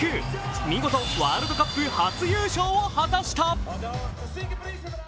見事ワールドカップ初優勝を果たした。